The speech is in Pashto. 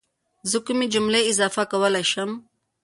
زه کومې جملې اضافه کولی شم؟